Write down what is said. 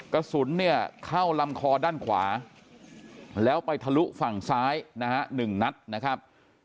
กระสุนเนี่ยเข้าลำคอด้านขวาแล้วไปทะลุฝั่งซ้ายนะฮะ๑นัดนะครับ